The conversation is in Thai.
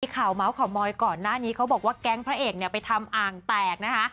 ข่าวเมาส์ข่าวมอยก่อนหน้านี้เขาบอกว่าแก๊งพระเอกเนี่ยไปทำอ่างแตกนะคะ